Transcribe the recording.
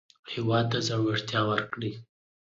هېواد ته زړورتیا ورکړئ